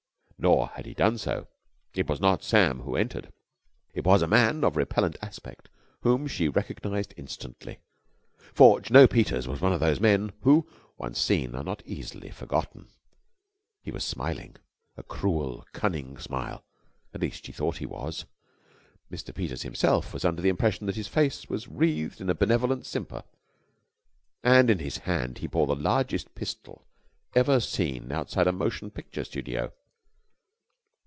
Nor had he done so. It was not Sam who entered. It was a man of repellent aspect whom she recognised instantly, for Jno. Peters was one of those men who, once seen, are not easily forgotten. He was smiling, a cruel, cunning smile at least, she thought he was; Mr. Peters himself was under the impression that his face was wreathed in a benevolent simper; and in his hand he bore the largest pistol ever seen outside a motion picture studio.